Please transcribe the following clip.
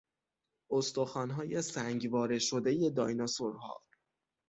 استخوانهای سنگواره شدهی دایناسورها